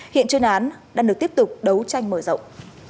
hiện chuyên án đang được tiếp tục đấu tranh mở rộng